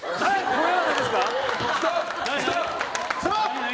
これなんですか？